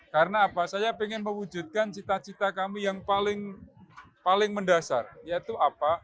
karena apa saya ingin mewujudkan cita cita kami yang paling mendasar yaitu apa